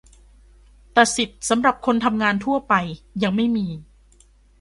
แต่สิทธิสำหรับคนทำงานทั่วไป ยังไม่มี